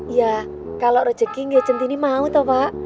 iya kalau rezeki gak cintinny mau toh pak